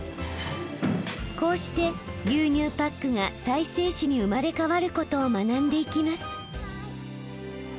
こうして牛乳パックが再生紙に生まれ変わることを学んでいきます。